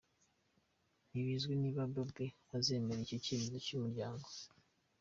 Ntibizwi niba Bobbi azemera icyo cyemezo cy’umuryango.